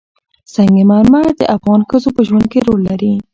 سنگ مرمر د افغان ښځو په ژوند کې رول لري.